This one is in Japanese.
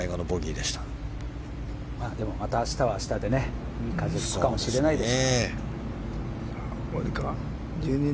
でも、また明日は明日でいい風吹くかもしれないです。